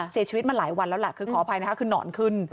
เสียชีวิตมาหลายวันขออภัยนะคะคืนหน่อนขึ้น